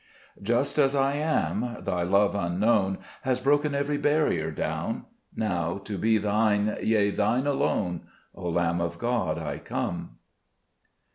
6 Just as I am ! Thy love unknown Has broken every barrier down ; Now, to be Thine, yea, Thine alone, O Lamb of God, I come.